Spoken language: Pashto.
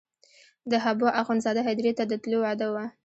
د حبوا اخندزاده هدیرې ته د تلو وعده وه.